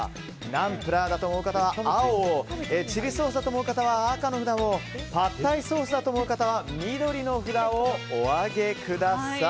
ナンプラーだと思う方は青をチリソースだと思う方は赤の札をパッタイソースだと思う方は緑の札をお上げください。